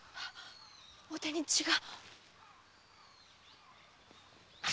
お手に血が！